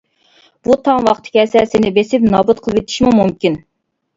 بۇ تام ۋاقتى كەلسە سېنى بېسىپ نابۇت قىلىۋېتىشىمۇ مۇمكىن.